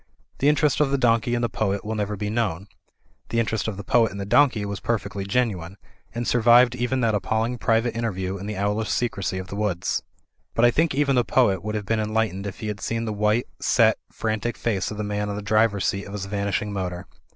The interest of the donkey in the poet will never be known. The interest of the poet in the donkey was perfectly genuine ; and survived even that appalling private interview in the owlish secrecy of the woods. But I think even the poet would have been enlight ened if he had seen the white, set, frantic face of the man on the driver's seat of his vanishing motor.